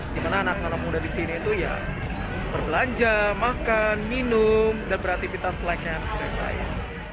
dimana anak anak muda di sini itu ya berbelanja makan minum dan beraktivitas lain lain